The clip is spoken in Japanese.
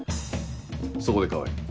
そこで川合。